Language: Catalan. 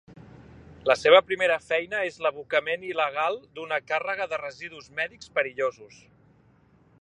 La seva primera feina és l'abocament il·legal d'una càrrega de residus mèdics perillosos.